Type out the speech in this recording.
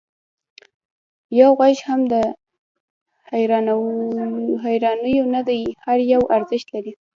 یو غږ هم د هېروانیو نه دی، هر یو ارزښت لري.